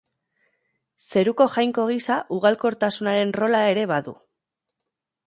Zeruko jainko gisa, ugalkortasunaren rola ere badu.